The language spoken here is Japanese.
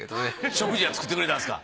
食事は作ってくれたんですか？